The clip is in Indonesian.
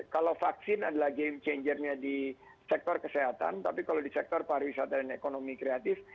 kalau vaksin adalah game changernya di sektor kesehatan tapi kalau di sektor pariwisata dan ekonomi kreatif